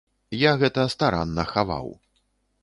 Я гэта старанна хаваў.